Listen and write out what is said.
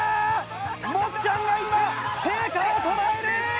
もっちゃんが今聖夏をとらえる！